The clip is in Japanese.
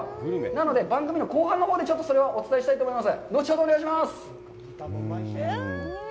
なので、後半のほうでお伝えしたいと思います。